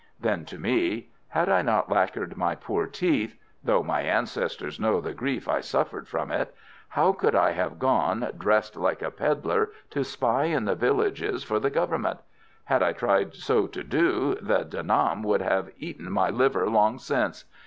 Then to me: "Had I not lacquered my poor teeth though my ancestors know the grief I suffered from it how could I have gone, dressed like a pedlar, to spy in the villages for the Government? Had I tried so to do, the De Nam would have eaten my liver long since.